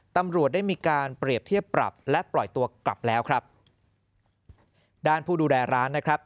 ตำรวจได้มีการเปรียบเทียบปรับและปล่อยตัวกลับแล้วครับด้านผู้ดูแลร้านนะครับ